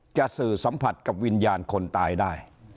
สื่อสัมผัสกับวิญญาณคนตายได้